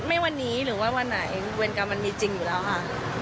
ไม่วันนี้หรือว่าวันไหนเวรกรรมมันมีจริงอยู่แล้วค่ะ